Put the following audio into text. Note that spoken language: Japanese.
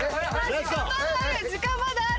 さあ時間まだある。